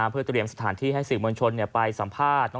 เพื่อเตรียมสถานที่ให้สื่อมวลชนไปสัมภาษณ์